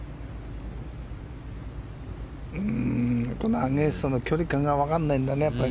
アゲンストの距離感が分からないんだよね。